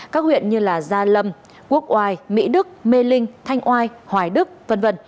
các huyện như gia lâm quốc oai mỹ đức mê linh thanh oai hoài đức v v